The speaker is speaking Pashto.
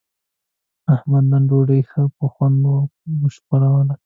احمد نن ډوډۍ ښه په خوند و شړپوله.